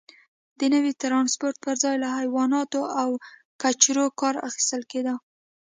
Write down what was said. د نوي ټرانسپورت پرځای له حیواناتو او کچرو کار اخیستل کېده.